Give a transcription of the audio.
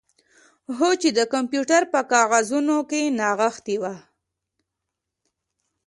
هو چې د کمپیوټر په کاغذونو کې نغښتې وه